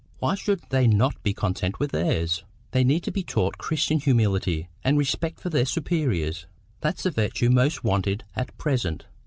Why should they not be content with theirs? They need to be taught Christian humility and respect for their superiors. That's the virtue most wanted at present.